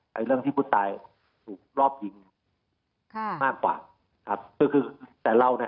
เรื่องที่ผู้ตายถูกรอบยิงค่ะมากกว่าครับก็คือคือแต่เราเนี่ย